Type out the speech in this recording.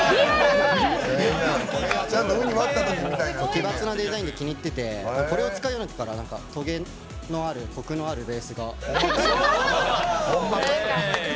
奇抜なデザインで気に入っててこれを使えば、とげのあるコクのあるベースが。